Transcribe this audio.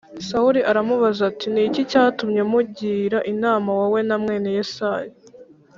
Sawuli aramubaza ati “Ni iki cyatumye mungira inama wowe na mwene Yesayi